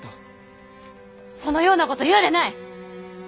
そのようなこと言うでない！